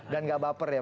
dan gak baper ya